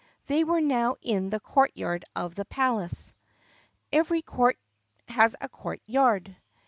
They were now in the courtyard of the palace. (Every court has a courtyard.)